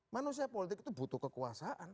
manusia politik itu butuh kekuasaan